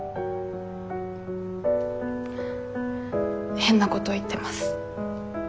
変なこと言ってます。